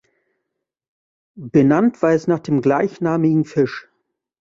Benannt war es nach dem gleichnamigen Fisch.